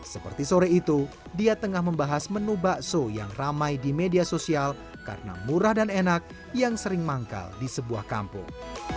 seperti sore itu dia tengah membahas menu bakso yang ramai di media sosial karena murah dan enak yang sering manggal di sebuah kampung